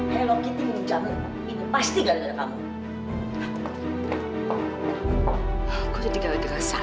halo kitty mau bincang ini pasti gara gara kamu